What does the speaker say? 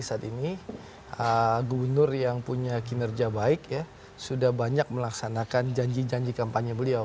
saat ini gubernur yang punya kinerja baik ya sudah banyak melaksanakan janji janji kampanye beliau